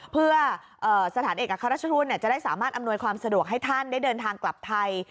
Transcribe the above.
เพื่อสถานเอกอัครราชทูตจะได้สามารถอำนวยความสะดวกให้ท่านได้เดินทางกลับไทย